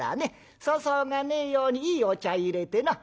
粗相がねえようにいいお茶いれてな」。